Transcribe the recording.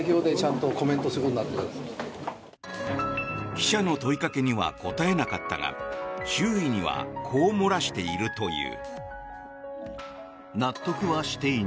記者の問いかけには答えなかったが周囲にはこう漏らしているという。